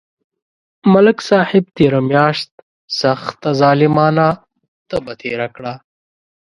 ملک صاحب تېره میاشت سخته ظلمه تبه تېره کړه.